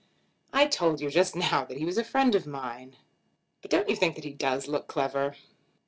"I told you just now that he was a friend of mine." "But don't you think that he does look clever?"